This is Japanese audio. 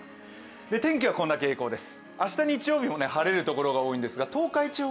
天気はこんな傾向です。